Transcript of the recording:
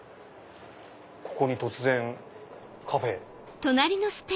ここに突然カフェ。